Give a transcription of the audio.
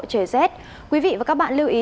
trời rét quý vị và các bạn lưu ý